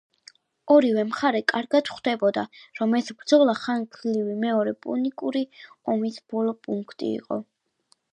ორივე მხარე კარგად ხვდებოდა, რომ ეს ბრძოლა ხანგრძლივი მეორე პუნიკური ომის ბოლო პუნქტი იყო.